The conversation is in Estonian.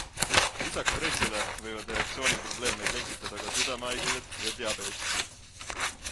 Lisaks stressile võivad erektsiooniprobleeme tekitada ka südamehaigused ja diabeet.